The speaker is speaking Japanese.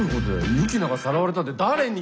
ユキナがさらわれたって誰に！？